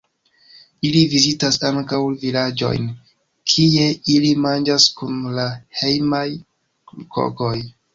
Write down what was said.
Ili vizitas ankaŭ vilaĝojn kie ili manĝas kun la hejmaj kokoj.